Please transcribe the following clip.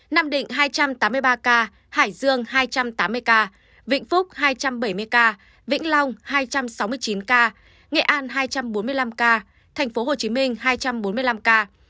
nam định hai trăm tám mươi ba ca hải dương hai trăm tám mươi ca vĩnh phúc hai trăm bảy mươi ca vĩnh long hai trăm sáu mươi chín ca nghệ an hai trăm bốn mươi năm ca tp hcm hai trăm bốn mươi năm ca